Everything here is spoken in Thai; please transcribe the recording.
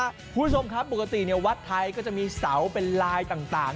คุณผู้ชมครับปกติวัดไทยก็จะมีเสาเป็นลายต่าง